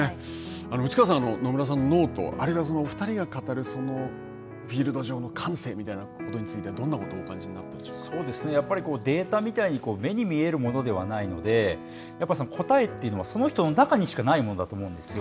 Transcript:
内川さん野村さんのノート、２人が語るフィールド上の感性についてどんなことをデータみたいに目に見えるものではないので、答えというのはその人の中にしかないものだと思うんですよ。